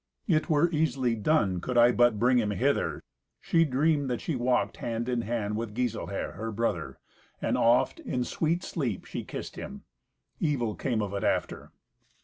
"It were easily done, could I but bring him hither." She dreamed that she walked hand in hand with Giselher her brother, and oft, in sweet sleep, she kissed him. Evil came of it after.